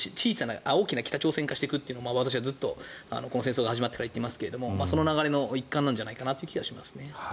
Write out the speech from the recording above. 大きな北朝鮮化していくと私はずっとこの戦争が始まってから言っていますがその流れの一環じゃないかという気がしますね。